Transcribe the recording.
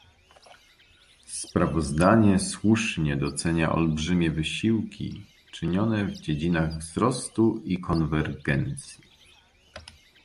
Sprawozdanie słusznie docenia olbrzymie wysiłki czynione w dziedzinach wzrostu i konwergencji